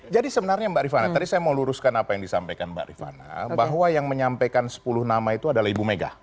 jadi sebenarnya mbak rifana tadi saya mau luruskan apa yang disampaikan mbak rifana bahwa yang menyampaikan sepuluh nama itu adalah ibu megawati